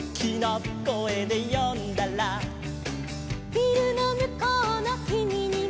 「ビルのむこうのキミにも」